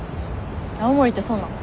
青森ってそうなん？